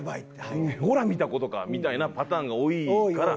「ほらみたことか」みたいなパターンが多いから。